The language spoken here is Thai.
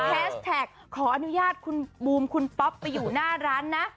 แท็กขออนุญาตคุณบูมคุณป๊อปไปอยู่หน้าร้านนะ